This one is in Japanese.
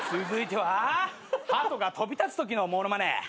続いてはハトが飛び立つときの物まね。